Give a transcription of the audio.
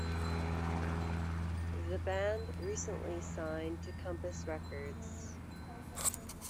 The band recently signed to Compass Records.